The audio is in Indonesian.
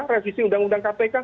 revisi undang undang kpk